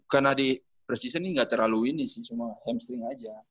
karena di persisten ini ga terlalu ini sih cuma hamstring aja